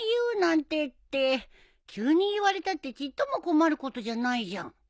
急に言われたってちっとも困ることじゃないじゃん。